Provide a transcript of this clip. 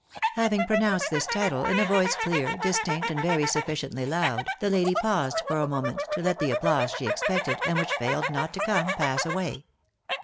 Having pronounced this title in a voice clear, distinct, and very sufliciently loud, the lady paused for a moment to let the applause she expected, and which failed not to come, pass away.